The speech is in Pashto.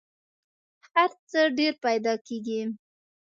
هر څه ډېر پیدا کېږي .